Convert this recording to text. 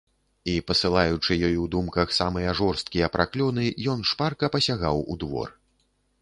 І, пасылаючы ёй у думках самыя жорсткія праклёны, ён шпарка пасягаў у двор.